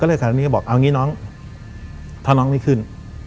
ก็เลยสถานีก็บอกเอางี้น้องถ้าน้องไม่ขึ้น